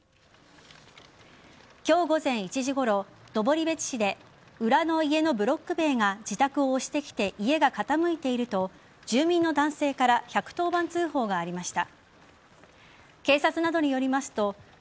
今日午前１時ごろ、登別市で裏の家のブロック塀が自宅を押してきて家が傾いていると住民の男性から１１０番通報がありました。